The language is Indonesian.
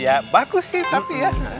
ya bagus sih tapi ya